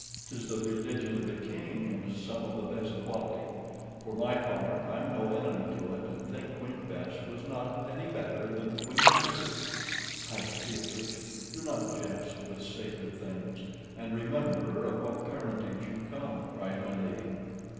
'Tis the religion of the King and of some of the best quality. For my part, I'm no enemy to it, and think Queen Bess was not a penny better than Queen Mary." "Hush, Beatrix! Do not jest with sacred things, and remember of what parentage you come," cries my lady.